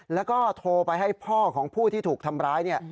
แล้วก็โทรไปให้พ่อของผู้ที่ถูกทำร้ายเนี่ย